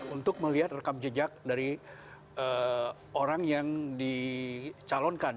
untuk melihat rekam jejak dari orang yang dicalonkan